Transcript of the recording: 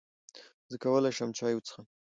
زۀ کولای شم چای وڅښم؟